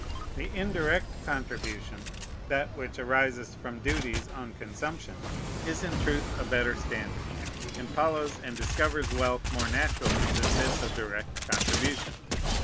The indirect contribution, that which arises from duties on consumption, is in truth a better standard, and follows and discovers wealth more naturally than this of direct contribution.